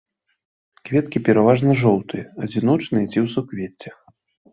Кветкі пераважна жоўтыя, адзіночныя ці ў суквеццях.